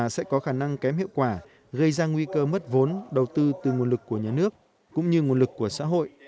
sẽ có khả năng kém hiệu quả gây ra nguy cơ mất vốn đầu tư từ nguồn lực của nhà nước cũng như nguồn lực của xã hội